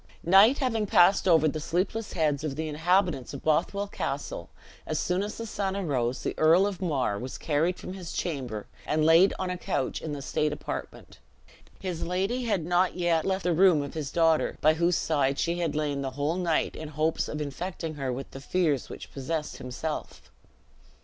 Night having passed over the sleepless heads of the inhabitants of Bothwell Castle, as soon as the sun arose, the Earl of Mar was carried from his chamber, and laid on a couch in the state apartment. His lady had not yet left the room of his daughter, by whose side she had lain the whole night in hopes of infecting her with the fears which possessed himself.